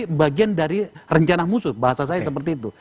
ini bagian dari rencana musuh bahasa saya seperti itu